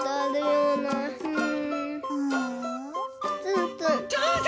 うん！